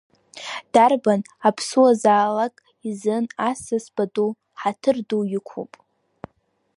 Дарбан аԥсуазаалак изын асас пату, ҳаҭыр ду иқәуп.